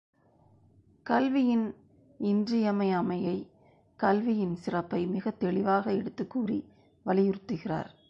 கல்வியின் இன்றியமையாமையை கல்வியின் சிறப்பை மிகத் தெளிவாக எடுத்துக் கூறி வலியுறுத்துகிறார்.